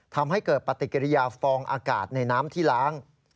ทำให้เกิดปฏิกิริยาฟองอากาศในน้ำที่ล้าง